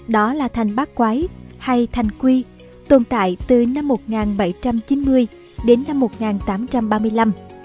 đó là thành bác quái hay thành quy tồn tại từ năm một nghìn bảy trăm chín mươi đến năm một nghìn tám trăm ba mươi năm